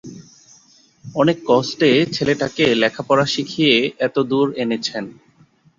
অনেক কষ্টে ছেলেটাকে লেখাপড়া শিখিয়ে এতদূর এনেছেন।